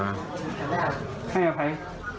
ให้อภัย